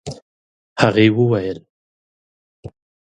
هغې وويل: